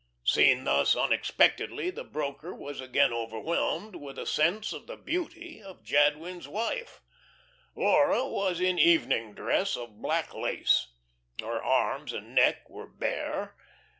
Seen thus unexpectedly, the broker was again overwhelmed with a sense of the beauty of Jadwin's wife. Laura was in evening dress of black lace; her arms and neck were bare.